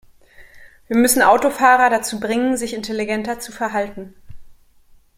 Wir müssen Autofahrer dazu bringen, sich intelligenter zu verhalten.